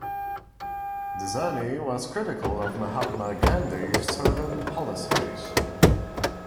Desani was critical of Mahatma Gandhi's certain policies.